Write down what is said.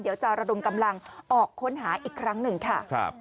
เดี๋ยวจะระดมกำลังออกค้นหาอีกครั้งหนึ่งค่ะ